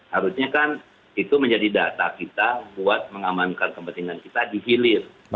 harusnya kan itu menjadi data kita buat mengamankan kepentingan kita di hilir